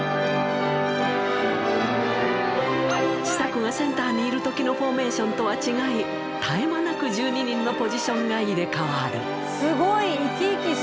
ちさ子がセンターにいるときのフォーメーションと違い、絶え間なく１２人のポジションが入れ代わる。